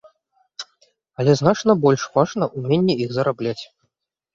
Але значна больш важна ўменне іх зарабляць.